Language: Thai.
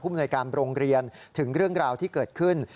มนวยการโรงเรียนถึงเรื่องราวที่เกิดขึ้น